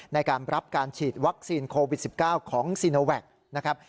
ในการรับการฉีดวัคซีนโควิด๑๙ของซีโนแวคนะครับ